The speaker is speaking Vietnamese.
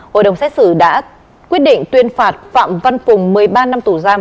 hội đồng xét xử đã quyết định tuyên phạt phạm văn cùng một mươi ba năm tù giam